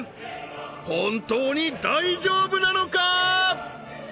本当に大丈夫なのか？